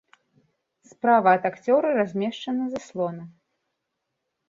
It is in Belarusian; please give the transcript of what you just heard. Справа ад акцёра размешчаны заслона.